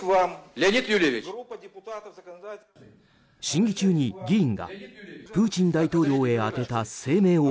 審議中に議員がプーチン大統領へ宛てた声明を